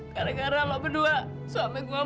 gara gara lo berdua suami gue